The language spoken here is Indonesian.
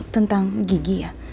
tentang gigi ya